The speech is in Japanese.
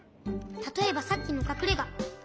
たとえばさっきのかくれが。